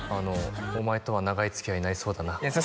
「お前とは長いつきあいになりそうだな」